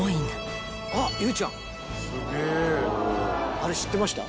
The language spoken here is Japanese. あれ知ってました？